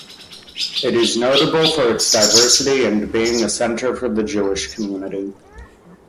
It is notable for its diversity and being a center for the Jewish community.